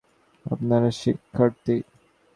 আপনারা শিক্ষার্থী?